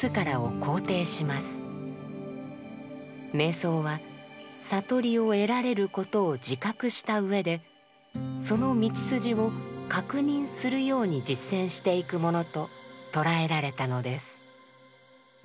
瞑想は悟りを得られることを自覚したうえでその道筋を確認するように実践していくものと捉えられたのです。